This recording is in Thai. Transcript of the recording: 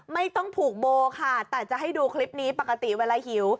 ไม่ต้องผูกโบค่ะแต่จะให้ดูคลิปนี้ปกติเวลาหิว